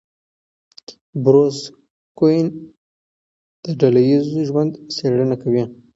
بروس کوئن د ډله ایز ژوند څېړنه کوي.